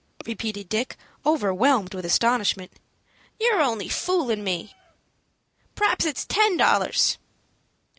repeated Dick, overwhelmed with astonishment; "you're only foolin' me. P'r'aps it's ten dollars."